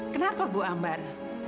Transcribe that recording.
kenapa bu ambar